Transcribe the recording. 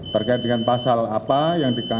terkait dengan pasal apa yang dikatakan